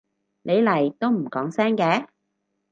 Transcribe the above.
你嚟都唔講聲嘅？